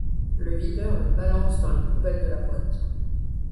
Le videur le balance dans les poubelles de la boîte.